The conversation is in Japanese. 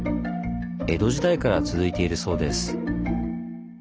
江戸時代から続いているそうです。